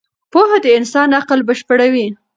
پوهه د انسان عقل بشپړوي.